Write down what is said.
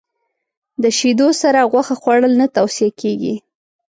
د شیدو سره غوښه خوړل نه توصیه کېږي.